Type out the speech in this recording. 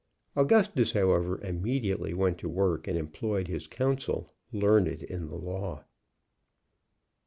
Augustus, however, immediately went to work and employed his counsel, learned in the law.